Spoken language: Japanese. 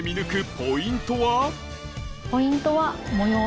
ポイントは。